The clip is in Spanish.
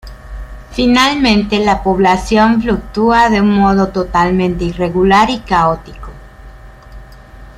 Finalmente la población fluctúa de un modo totalmente irregular y caótico.